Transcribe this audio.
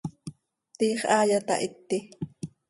¿Tiix haaya tahiti?